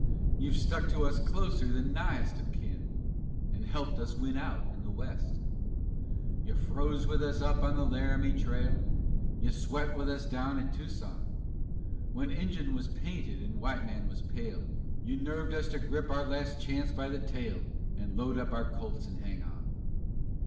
You stuck to us closer than nighest of kin And helped us win out in the West, You froze with us up on the Laramie trail; You sweat with us down at Tucson; When Injun was painted and white man was pale You nerved us to grip our last chance by the tail And load up our Colts and hang on.